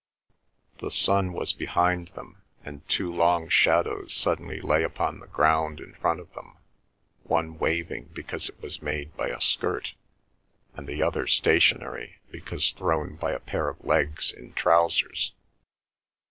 The sun was behind them and two long shadows suddenly lay upon the ground in front of them, one waving because it was made by a skirt, and the other stationary, because thrown by a pair of legs in trousers.